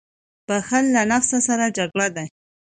• بښل له نفس سره جګړه ده.